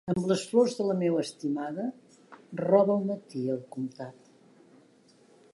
Amb les flors que la meua estimada, roba al matí al Comtat.